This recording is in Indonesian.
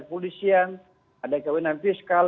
kepolisian ada kewenangan fiskal